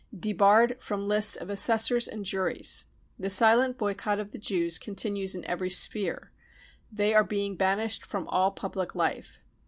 Debarred from Lists of Assessors and Juries. The silent boycott of the Jews continues in every sphere ; they are being banished from all public life.